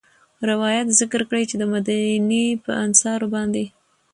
روايت ذکر کړی چې د مديني په انصارو باندي